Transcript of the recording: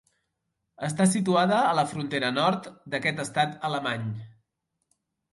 Està situada a la frontera nord d'aquest estat alemany.